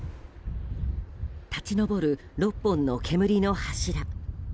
立ち上る６本の煙の柱。